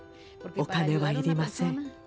お金は要りません。